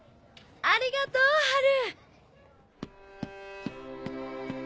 ありがとうハル！